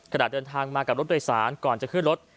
ขณะเดินทางมากับรถโดยสารก่อนจะขึ้นรถ